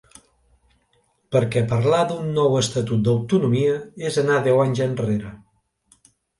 Perquè parlar d’un nou estatut d’autonomia és anar deu anys enrere.